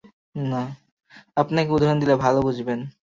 আপনাকে উদাহরণ দিলে ভালো বুঝবেন।